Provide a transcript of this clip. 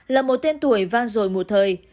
là một tên tuổi vang dồi một thời